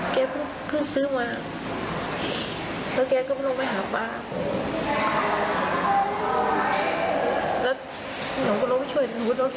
แล้วหนูก็ลงไปช่วยหนูก็ลงไปดูดเหมือนกัน